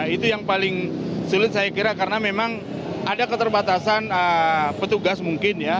itu yang paling sulit saya kira karena memang ada keterbatasan petugas mungkin ya